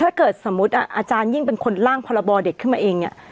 ถ้าเกิดสมมุติอาจารยิ่งเป็นคนล่างพรบเด็กขึ้นมาเองเนี่ย